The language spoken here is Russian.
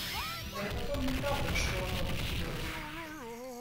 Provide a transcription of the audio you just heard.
Да и потом, не правда, что оно нейдет.